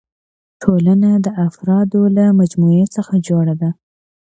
ټولنه د افرادو له مجموعي څخه جوړه ده.